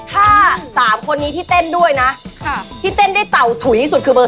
ถ้า๓คนนี้ที่เต้นด้วยนะที่เต้นได้เต่าถุยที่สุดคือเบอร์